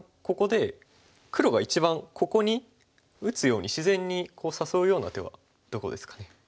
ここで黒が一番ここに打つように自然に誘うような手はどこですかね？